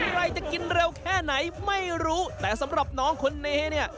ใครจะกินเร็วแค่ไหนไม่รู้แต่สำหรับน้องคนนี้เนี่ย